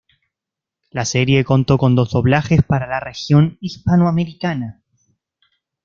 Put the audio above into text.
La serie contó con dos doblajes para la región hispanoamericana.